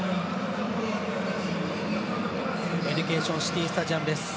エデュケーションシティスタジアムです。